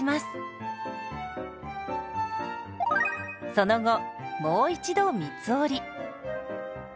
その後もう一度三つ折り。